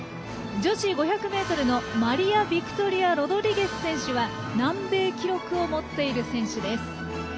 女子５００ｍのマリアビクトリア・ロドリゲス選手は南米記録を持っている選手です。